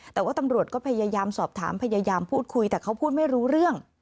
แต่ว่าตำรวจก็พยายามสอบถามพยายามพูดคุยแต่เขาพูดไม่รู้เรื่อง